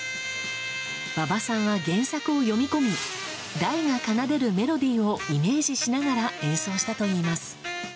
馬場さんは原作を読み込み大が奏でるメロディーをイメージしながら演奏したといいます。